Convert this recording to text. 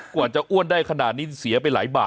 กว่าจะอ้วนได้ขนาดนี้เสียไปหลายบาท